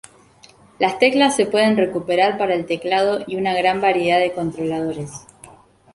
Las teclas se pueden recuperar para el teclado y una gran variedad de controladores.